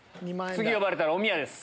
次呼ばれたらおみやです。